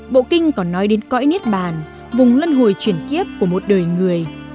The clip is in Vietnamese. bộ kinh còn nói đến cõi nết bàn vùng lân hồi chuyển kiếp của một đời người